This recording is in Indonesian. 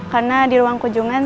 karena di ruang kunjungan